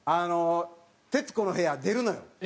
『徹子の部屋』出るのよ。